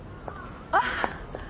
あっ。